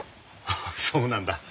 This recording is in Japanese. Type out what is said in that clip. ああそうなんだ。